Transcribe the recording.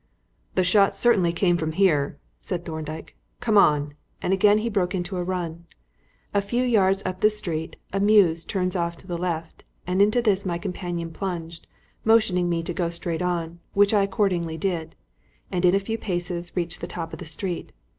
"The shot certainly came from here!" said Thorndyke; "come on," and he again broke into a run. A few yards up the street a mews turns off to the left, and into this my companion plunged, motioning me to go straight on, which I accordingly did, and in a few paces reached the top of the street.